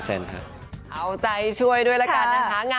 เอาใจช่วยด้วยละกันนะคะ